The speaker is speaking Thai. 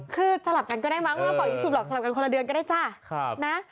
คือสลับกันก็ได้มั้งเป่ายิงจูบหรอกสลับกันคนละเดือนก็ได้จ้า